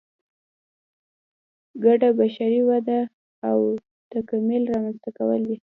ګډه بشري وده او تکامل رامنځته کول دي.